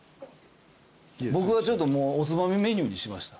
僕はちょっとおつまみメニューにしました。